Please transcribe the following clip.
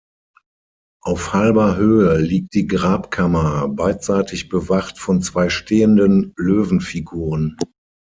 Auf halber Höhe liegt die Grabkammer, beidseitig bewacht von zwei stehenden Löwenfiguren.